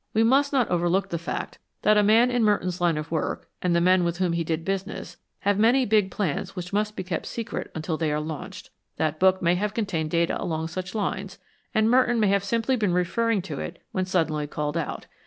We must not overlook the fact that a man in Merton's line of work, and the men with whom he did business, have many big plans which must be kept secret until they are launched. That book may have contained data along such lines, and Merton may have simply been referring to it when suddenly called out.